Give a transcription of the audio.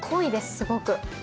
すごく。